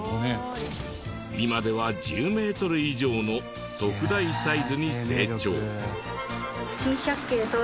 今では１０メートル以上の特大サイズに成長。